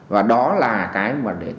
và đó là cái mà